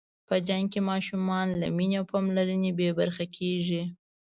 په جنګ کې ماشومان له مینې او پاملرنې بې برخې کېږي.